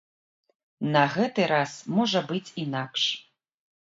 На гэты раз можа быць інакш.